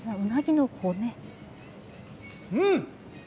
うん！